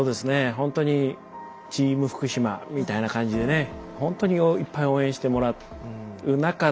ほんとにチーム福島みたいな感じでねほんとにいっぱい応援してもらう中で戦ってって。